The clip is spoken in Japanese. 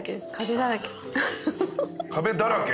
壁だらけ？